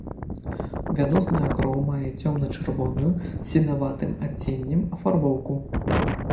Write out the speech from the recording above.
Вянозная кроў мае цёмна-чырвоную з сіняватым адценнем афарбоўку.